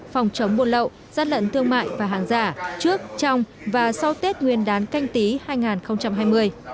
phòng chống buôn lậu giát lận thương mại và hàng giả trước trong và sau tết nguyên đán canh tí hai nghìn hai mươi